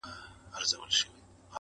د ژوند يې يو قدم سو، شپه خوره سوه خدايه.